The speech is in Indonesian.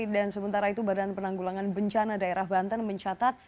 dan sementara itu badan penanggulangan bencana daerah banten mencatat